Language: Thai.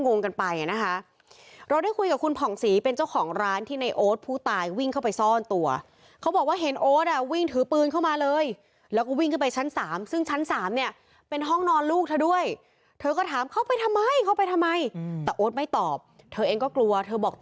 มีรถมูลและนิทิศมารับแล้วเขาตายแล้วเหรออันนี้ก็งงกันไปนะคะเราได้คุยกับคุณผ่องศรีเป็นเจ้าของร้านที่ในโอ๊ตผู้ตายวิ่งเข้าไปซ่อนตัวเขาบอกว่าเห็นโอ๊ตอ่ะวิ่งถือปืนเข้ามาเลยแล้วก็วิ่งไปชั้น๓ซึ่งชั้น๓เนี่ยเป็นห้องนอนลูกเธอด้วยเธอก็ถามเข้าไปทำไมเข้าไปทำไมแต่โอ๊ตไม่ตอบเธอเองก็กลัวเธอ